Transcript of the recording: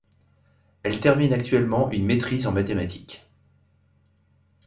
Elle termine actuellement une maîtrise en mathématiques.